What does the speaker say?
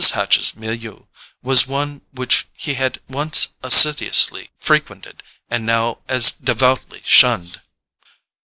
Hatch's MILIEU was one which he had once assiduously frequented, and now as devoutly shunned.